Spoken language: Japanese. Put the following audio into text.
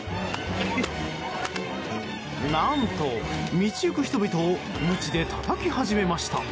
何と、道行く人々をむちでたたき始めました。